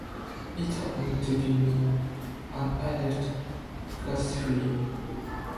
It happened to be me and I left gracefully.